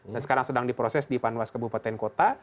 dan sekarang sedang diproses di panwas kebupaten kota